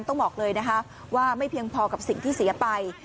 ต้องบอกเลยนะคะว่าไม่เพียงพอกับสิ่งที่เสียไป